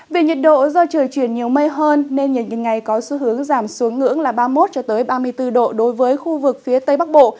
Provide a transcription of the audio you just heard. về nhiệt độ do trời chuyển nhiều mây hơn nên nhiệt ngày có xu hướng giảm xuống ngưỡng là ba mươi một ba mươi bốn độ đối với khu vực phía tây bắc bộ